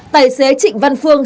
tài xế trịnh văn phương